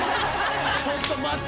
「ちょっと待って！」